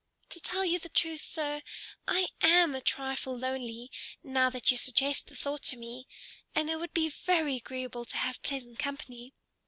To tell you the truth, sir, I am a trifle lonely, now that you suggest the thought to me. And it would be very agreeable to have pleasant company.